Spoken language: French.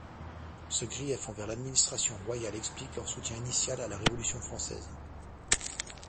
Ce grief envers l'administration royale explique leur soutien initial à la Révolution française.